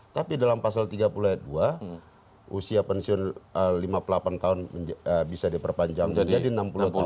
tapi dalam pasal tiga puluh ayat dua usia pensiun lima puluh delapan tahun bisa diperpanjang menjadi enam puluh tahun